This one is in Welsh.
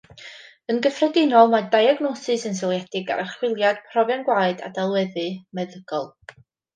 Yn gyffredinol, mae diagnosis yn seiliedig ar archwiliad, profion gwaed a delweddu meddygol.